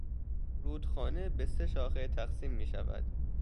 رودخانه به سه شاخه تقسیم میشود.